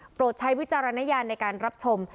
ใช้วิจารณญาณในการรับชม